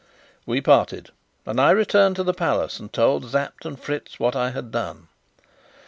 We parted, and I returned to the Palace and told Sapt and Fritz what I had done.